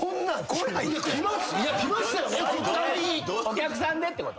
お客さんでってこと？